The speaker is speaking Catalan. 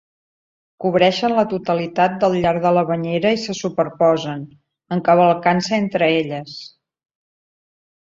Cobreixen la totalitat del llarg de la banyera i se superposen, encavalcant-se entre elles.